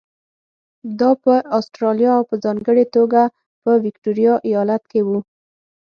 دا په اسټرالیا او په ځانګړې توګه په ویکټوریا ایالت کې وو.